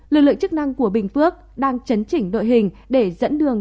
lực lượng chức năng của bình phước đang chấn chỉnh đội hình để dẫn đường